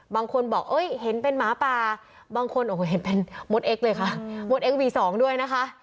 บางคนบอกเห็นเป็นหมาปลาบางคนเห็นเป็นมดเอ็กซ์เลยค่ะมดเอ็กซ์วี๒ด้วยนะคะ